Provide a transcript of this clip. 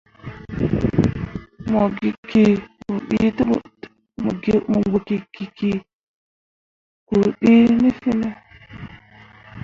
Mo gikki kpu dee ne fene.